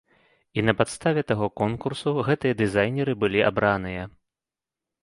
І на падставе таго конкурсу, гэтыя дызайнеры былі абраныя.